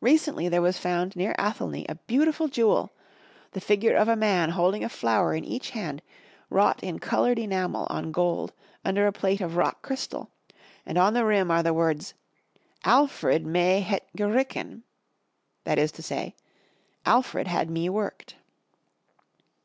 Recently there was found near Athelney, a beautiful jewel — the figure of a man hold ing a flower in each hand, wrought in colored enamel on gold under a plate of rock crystal, and on the rim are the words Alfred mee heht gewyrcan,'' that is to say, * 'Alfred had me worked.''